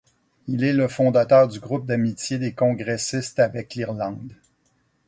Il est le fondateur du groupe d'amitié des congressistes avec l'Irlande.